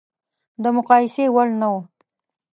د مقایسې وړ نه و.